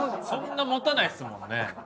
そんな持たないですもんね。